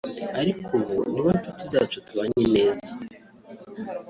Ariko ubu ni bo nshuti zacu tubanye neza cyane